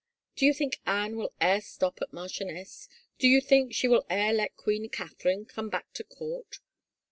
.•. Do you think Anne will e*er stop at marchioness? Do you think she will e'er let Queen Catherine come back to court?